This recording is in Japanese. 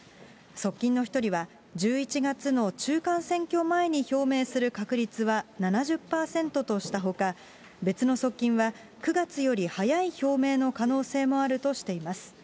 側近の一人は、１１月の中間選挙前に表明する確率は７０％としたほか、別の側近は、９月より早い表明の可能性もあるとしています。